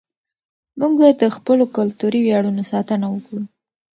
موږ باید د خپلو کلتوري ویاړونو ساتنه وکړو.